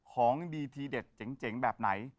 ของดีทีเด็ดเจ๋งแบบไหน